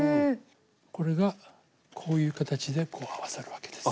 これがこういう形でこう合わさるわけです。